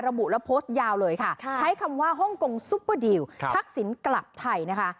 ระบุและโพสต์ยาวเลยค่ะใช้คำว่าฮ่องกงซุปเปอร์ดิลทักษิณกลับไทยนะคะ